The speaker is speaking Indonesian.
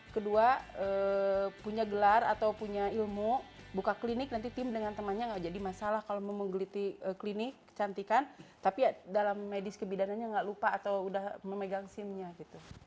kedua punya gelar atau punya ilmu buka klinik nanti tim dengan temannya nggak jadi masalah kalau mau menggeliti klinik kecantikan tapi ya dalam medis kebidanannya nggak lupa atau udah memegang simnya gitu